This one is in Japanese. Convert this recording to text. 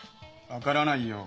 分からないよ。